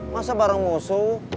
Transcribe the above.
masa bareng musuh